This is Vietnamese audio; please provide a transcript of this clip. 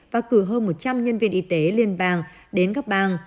và cử hơn một trăm linh nhân viên y tế liên bang đến các bang